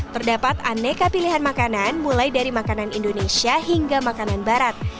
terdapat aneka pilihan makanan mulai dari makanan indonesia hingga makanan barat